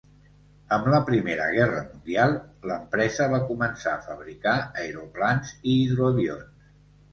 Amb la Primera Guerra Mundial l'empresa va començar a fabricar aeroplans i hidroavions.